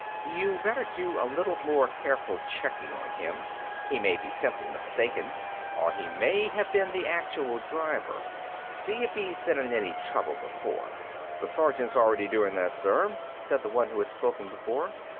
"You'd better do a little more careful checking on him. He may be simply mistaken, or he may have been the actual driver. See if he's been in any trouble before." "The sergeant's already doing that, sir," said the one who had spoken before.